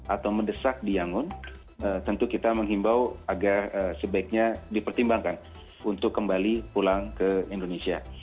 atau mendesak di yangon tentu kita menghimbau agar sebaiknya dipertimbangkan untuk kembali pulang ke indonesia